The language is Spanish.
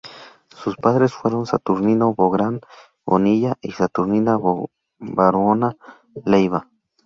Sus padres fueron Saturnino Bográn Bonilla y Saturnina Barahona Leiva.